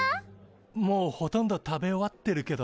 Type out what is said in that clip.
もうほとんど食べ終わってるけど。